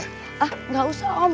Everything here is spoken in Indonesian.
ah gak usah om